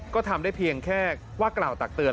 ก็ทำได้เพียงแค่ว่ากล่าวตักเตือน